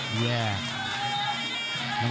แย่